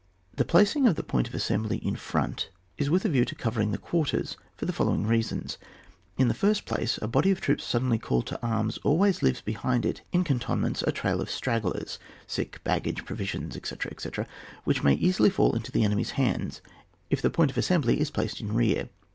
The placing of the point of assembly in front is with a view to covering the quarters, for the following reasons :— In the first place, a body of troops, sud denly called to arms, always leaves be hind it in cantonments a tail of stragglers — sick, baggage, provisions, etc., etc.— which may easily fall into the enemy's hands if the point of assembly is placed in rear.